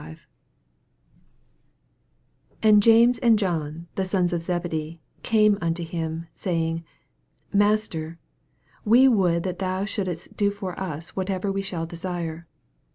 85 And James and John, the sons of Zebedee, come unto him, saying, Master, we would that thon shouldest do for us whatsoever we shall desire.